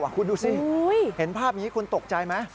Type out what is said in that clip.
คุณดูสิเห็นภาพนี้คุณตกใจไหม